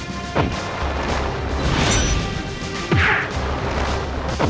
aku tidak ingin memiliki ibu iblis seperti mu